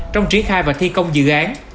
trong tri khai và thi công dự án